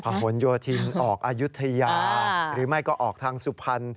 หนโยธินออกอายุทยาหรือไม่ก็ออกทางสุพรรณ